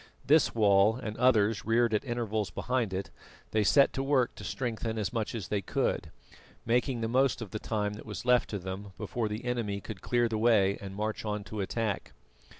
This wall, and others reared at intervals behind it, they set to work to strengthen as much as they could, making the most of the time that was left to them before the enemy could clear the way and march on to attack.